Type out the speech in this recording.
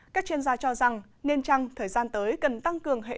các chuyên gia cho rằng nên trăng thời gian tới cần tăng cường hệ thống